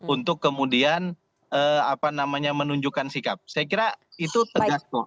untuk kemudian menunjukkan sikap saya kira itu tegas kok